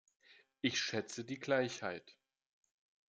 Ich schätze die Gleichheit.